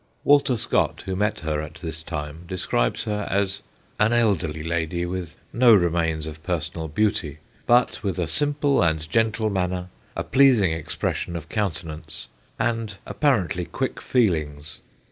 Walter Scott, who met her at this time, describes her as 4 an elderly lady, with no remains of personal beauty, but with a simple and gentle manner, a pleasing expression of countenance, and apparently quick feelings.